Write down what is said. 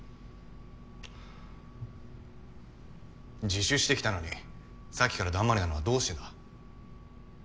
自首してきたのにさっきからダンマリなのはどうしてだ？